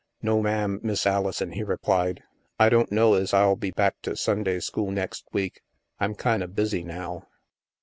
" No, ma'am, Miss Alison," he replied. " I don't know ez I'll be back to Sunday school next week. I'm kinda busy, now."